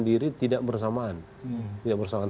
diri tidak bersamaan